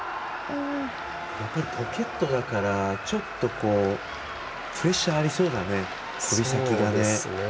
やっぱりポケットだからちょっとプレッシャーありそうだね、指先がね。